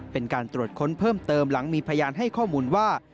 เป็นการตรวจค้นเพิ่มเติมหลังมีพยานให้ข้อมูลว่า